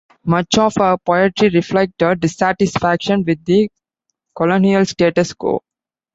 Much of her poetry reflect a dissatisfaction with the colonial status quo.